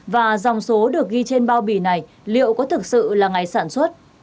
và dòng số được ghi trên bao bì này liệu có thực sự là ngày sản xuất